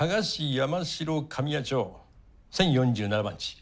山代上野町１０４７番地